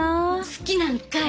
好きなんかい！